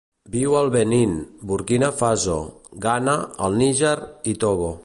Viu al Benín, Burkina Faso, Ghana, el Níger i Togo.